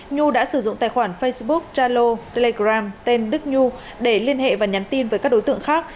nhu đã sử dụng tài khoản facebook jalo telegram tên đức nhu để liên hệ và nhắn tin với các đối tượng khác